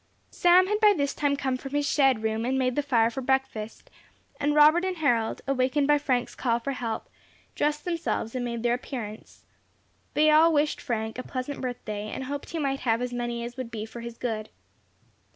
Sam had by this time come from his shed room and made the fire for breakfast, and Robert and Harold, awaked by Frank's call for help, dressed themselves and made their appearance. They all wished Frank a pleasant birthday, and hoped he might have as many as would be for his good.